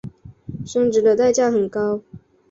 生殖的代价很高。